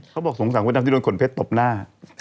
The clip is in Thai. เขาบอกสงสารมดดำที่โดนขนเพชรตบหน้า